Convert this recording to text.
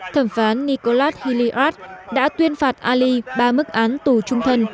thẩm phán nicholas hilliard đã tuyên phạt ali ba mức án tù trung thân